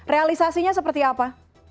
realisasinya seperti apa